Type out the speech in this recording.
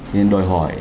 nên đòi hỏi